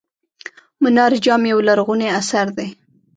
منار جام یو لرغونی اثر دی.